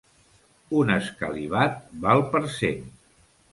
Un escalivat val per cent.